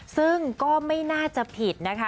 ซึ่งก็ไม่น่าจะผิดนะคะ